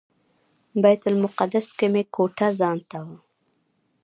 بیت المقدس کې مې کوټه ځانته وه.